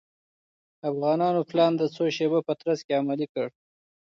افغانانو پلان د څو شېبو په ترڅ کې عملي کړ.